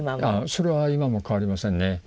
それは今も変わりませんね。